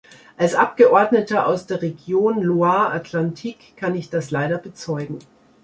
Als Abgeordneter aus der Region Loire-Atlantique kann ich das leider bezeugen.